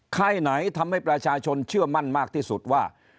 ค่ายไหนทำให้ประชาชนเชื่อมั่นมากที่สุดว่า